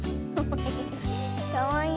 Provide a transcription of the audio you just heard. かわいい。